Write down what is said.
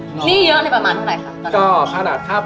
ณนี่เยอะขนาดประมาณเท่าอะไรครับ